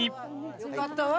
よかったわ